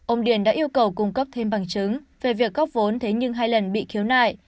ông điền đã yêu cầu cung cấp thêm bằng chứng về việc góp vốn thế nhưng hai lần bị khiếu nại